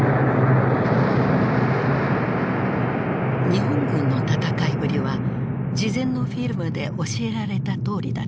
日本軍の戦いぶりは事前のフィルムで教えられたとおりだった。